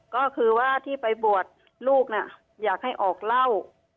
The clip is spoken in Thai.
ก็คือว่าที่ไปบวชลูกน่ะอยากให้ออกเหล้า